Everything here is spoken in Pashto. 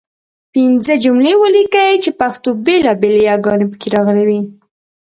پنځه جملې ولیکئ چې پښتو بېلابېلې یګانې پکې راغلي وي.